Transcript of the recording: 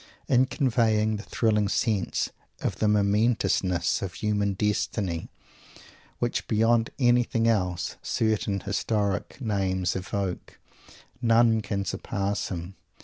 In conveying that thrilling sense of the momentousness of human destiny which beyond anything else certain historic names evoke, none can surpass him.